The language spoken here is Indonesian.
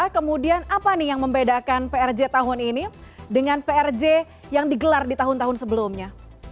kemudian apa nih yang membedakan prj tahun ini dengan prj yang digelar di tahun tahun sebelumnya